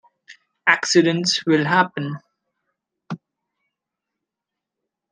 Accidents will happen.